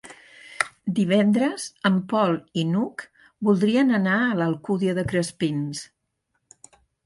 Divendres en Pol i n'Hug voldrien anar a l'Alcúdia de Crespins.